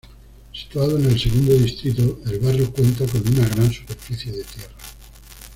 Situado en el segundo distrito, el barrio cuenta con una gran superficie de tierra.